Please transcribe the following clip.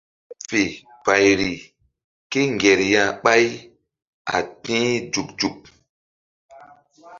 Ku ƴo ɓeɓ fe payri kéŋger ya ɓáy a ti̧h nzuk nzuk.